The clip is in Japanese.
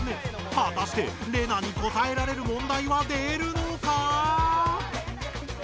はたしてレナに答えられる問題は出るのか！？